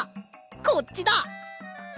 こっちだ！